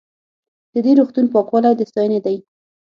د دې روغتون پاکوالی د ستاینې دی.